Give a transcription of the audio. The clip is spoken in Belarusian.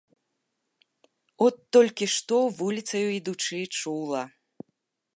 От толькі што, вуліцаю ідучы, чула.